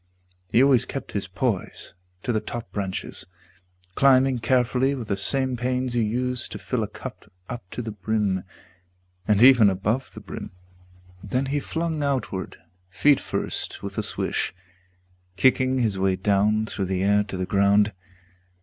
He always kept his poise To the top branches, climbing carefully With the same pains you use to fill a cup Up to the brim, and even above the brim. Then he flung outward, feet first, with a swish, Kicking his way down through the air to the ground.